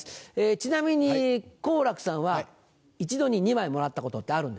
ちなみに好楽さんは一度に２枚もらったことってあるんですか？